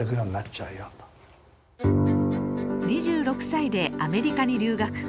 ２６歳でアメリカに留学。